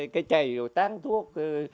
cái chày tán thuốc